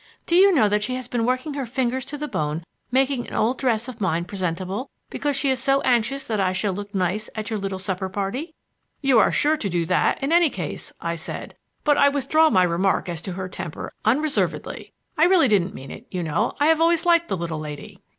Do you know that she has been working her fingers to the bone making an old dress of mine presentable because she is so anxious that I shall look nice at your little supper party." "You are sure to do that, in any case," I said; "but I withdraw my remark as to her temper unreservedly. And I really didn't mean it, you know; I have always liked the little lady."